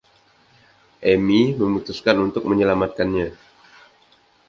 Amy memutuskan untuk menyelamatkannya.